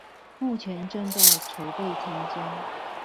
目前正在籌備參加